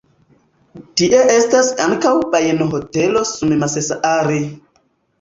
Tie estas ankaŭ bajenohotelo Summassaari.